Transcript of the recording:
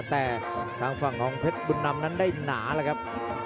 แต่ข้างฝั่งของเทศบุญนำนั้นได้หนาครับ